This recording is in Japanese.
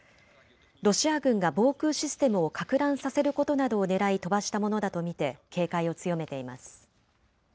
ロシア軍が防空システムをかく乱させることなどをねらい飛ばしたものだと見て警戒を強めています。